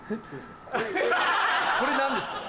これ何ですか？